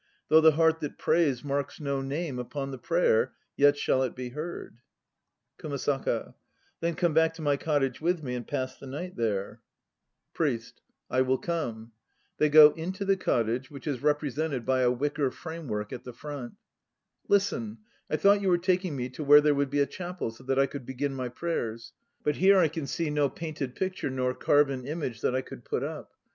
Though the heart that prays marks no name upon the prayer, Yet shall it be heard. KUMASAKA. Then come back to 'my cottage with me and pass the night there. l.r. he is "attached" to earth and cannot get away to the Western Paradise. 62 THE NO PLAYS OF JAPAN PRIEST. I will come. (They go into the cottage, which is represented by a wicker framework at the front.) Listen! I thought you were taking me to where there would be a chapel, so that I could begin my prayers. But here I can see no painted picture nor carven image that I could put up.